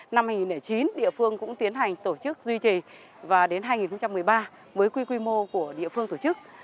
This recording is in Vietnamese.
lễ hội phục dựng đến nay thì năm hai nghìn chín địa phương cũng tiến hành tổ chức duy trì và đến hai nghìn một mươi ba với quy mô của địa phương tổ chức